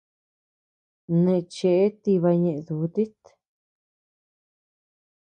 Neʼe cheʼe tiba ñeʼe dutit.